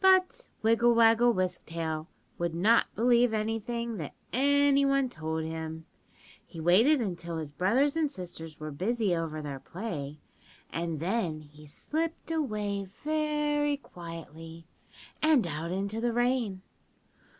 "But Wiggle Waggle Wisk Tail would not believe anything that any one told him. He waited until his brothers and sisters were busy over their play, and then he slipped away very quietly, and out into the rain.